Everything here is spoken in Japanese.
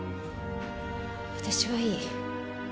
私はいい。